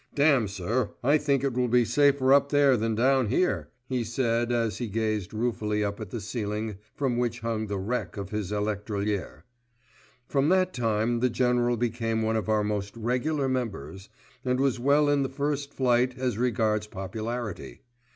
"Damme, sir, I think it will be safer up there than down here," he said as he gazed ruefully up at the ceiling from which hung the wreck of his electrolier. From that time the General became one of our most regular members, and was well in the first flight as regards popularity.